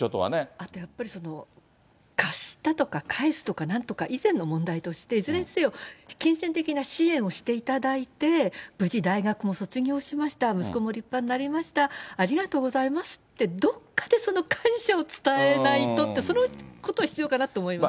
あとやっぱりその貸したとか、返すとかなんとか以前の問題として、いずれにせよ、金銭的な支援をしていただいて、無事大学を卒業しました、息子も立派になりました、ありがとうございますって、どっかでその感謝を伝えないとって、そのことは必要かなと思います。